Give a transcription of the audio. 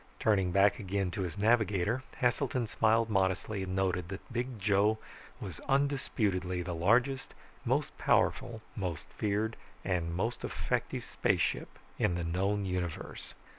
Turning back again to his navigator, Heselton smiled modestly and noted that Big Joe was undisputedly the largest, most powerful, most feared, and most effective spaceship in the known universe.